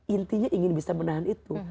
intinya ingin bisa menahan itu